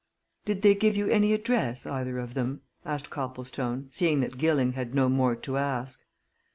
"Did they give you any address, either of them?" asked Copplestone, seeing that Gilling had no more to ask.